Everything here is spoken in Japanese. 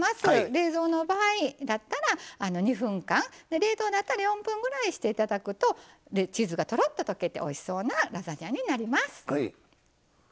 冷蔵の場合だったら２分間冷凍だったら４分ぐらいしていただくとチーズがとろっと溶けておいしいラザニアになります。